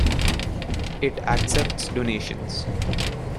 It accepts donations.